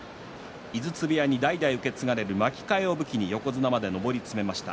井筒部屋に代々受け継がれる巻き替えを武器に横綱まで上り詰めました。